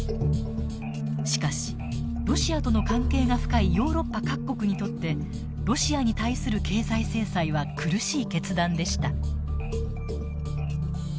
しかしロシアとの関係が深いヨーロッパ各国にとってロシアに対する経済制裁は苦しい決断でした。